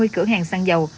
cửa hàng săn dầu